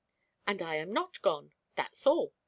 "And I am not gone, that's all.